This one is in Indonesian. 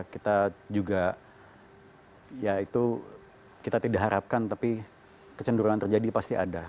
kita juga ya itu kita tidak harapkan tapi kecenderungan terjadi pasti ada